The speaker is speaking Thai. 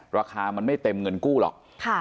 ราคามันไม่เต็มเงินกู้หรอก